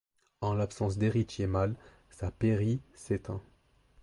En l'absence d'héritier mâle, sa pairie s'éteint.